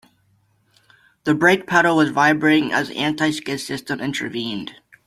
The brake pedal was vibrating as the anti-skid system intervened.